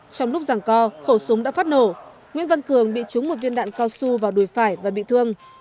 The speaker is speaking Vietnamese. trong lúc giảng co khổ súng đã phát nổ nguyễn văn cường bị trúng một viên đạn cao su vào đùi phải và bị thương